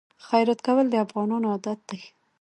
خیرات کول د افغانانو عادت دی.